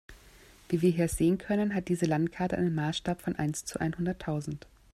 Wie wir hier sehen können, hat diese Landkarte einen Maßstab von eins zu einhunderttausend.